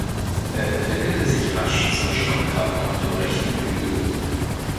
Er entwickelte sich rasch zur Stammkraft auf dem rechten Flügel.